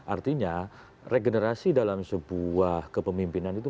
artinya regenerasi dalam sebuah kepemimpinan itu